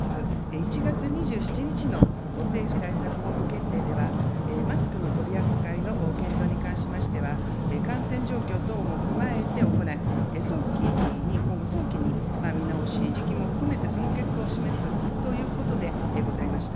１月２７日の政府対策本部決定では、マスクの取り扱いの検討に関しましては、感染状況等も踏まえて行い、早期に今後、早期に見直し時期も含めて、その結果を示すということでございました。